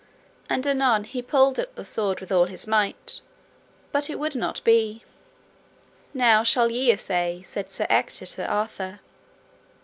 And anon he pulled at the sword with all his might; but it would not be. Now shall ye assay, said Sir Ector to Arthur.